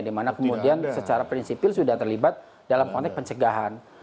dimana kemudian secara prinsipil sudah terlibat dalam konteks pencegahan